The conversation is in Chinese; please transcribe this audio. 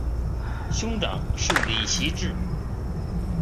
兄长是李袭志。